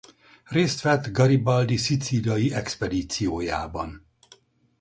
Részt vett Garibaldi szicíliai expedíciójában.